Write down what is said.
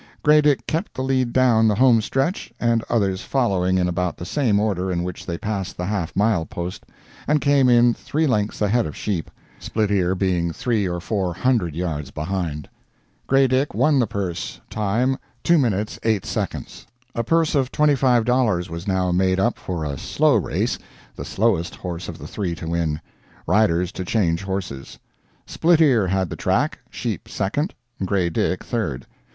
"Grey Dick" kept the lead down the home stretch, the others following in about the same order in which they passed the half mile post, and came in three lengths ahead of "Sheep," "Split ear" being three or four hundred yards behind. "Grey Dick" won the purse; time, 2:08. A purse of $25 was now made up for a slow race—the slowest horse of the three to win—riders to change horses. "Split ear" had the track, "Sheep" second, "Grey Dick" third.